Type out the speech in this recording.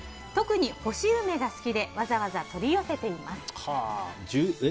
特に干し梅が好きでわざわざ取り寄せています。